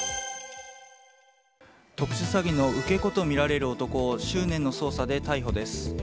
特殊詐欺の受け子とみられる男を執念の捜査で逮捕です。